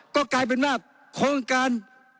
ก็กลายเป็นว่าโครงการ